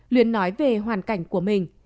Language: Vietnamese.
luyến nói về hoàn cảnh của mình